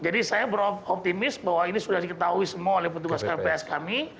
jadi saya beroptimis bahwa ini sudah diketahui semua oleh petugas kpps kami